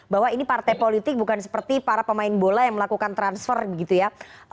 bahwa ini partai politik bukan seperti para pemain bola yang melakukan transfer begitu ya